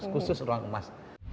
khusus ruang emas